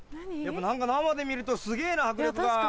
生で見るとすげぇな迫力が。